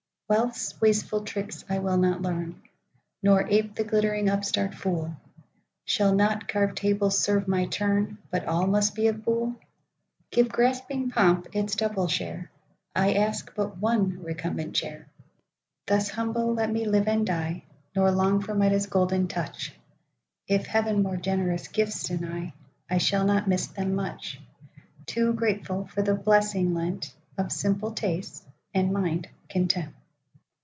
Wealth's wasteful tricks I will not learn, Nor ape the glittering upstart fool;—Shall not carved tables serve my turn, But all must be of buhl? Give grasping pomp its double share,—I ask but one recumbent chair. Thus humble let me live and die, Nor long for Midas' golden touch; If Heaven more generous gifts deny,I shall not miss them much,—Too grateful for the blessing lentOf simple tastes and mind content!